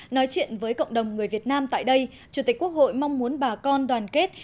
nói chuyện với cộng đồng người việt nam tại đây chủ tịch quốc hội mong muốn bà con đoàn kết